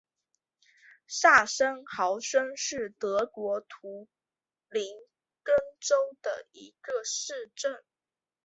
萨森豪森是德国图林根州的一个市镇。